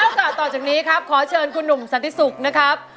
ค่ะต่อจากนี้ครับขอเชิญคุณหนุ่มสันติสุขนะครับ